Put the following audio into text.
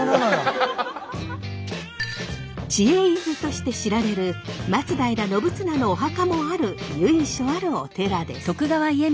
知恵伊豆として知られる松平信綱のお墓もある由緒あるお寺です。